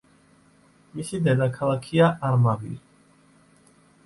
მისი დედაქალაქია არმავირი.